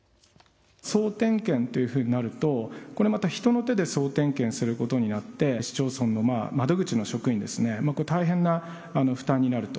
総点検というふうになると人の手で総点検することになって市町村の窓口の職員、大変な負担になると。